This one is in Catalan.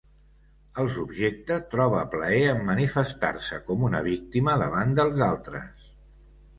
El subjecte troba plaer en manifestar-se com una víctima davant dels altres.